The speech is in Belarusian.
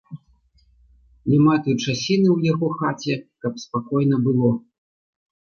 Няма той часіны ў яго хаце, каб спакойна было.